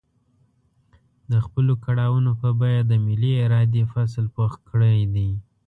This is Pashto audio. د خپلو کړاوونو په بيه د ملي ارادې فصل پوخ کړی دی.